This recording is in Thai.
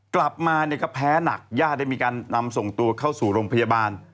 กลับมาเนี่ยก็แพ้หนักญาติได้มีการนำส่งตัวเข้าสู่โรงพยาบาล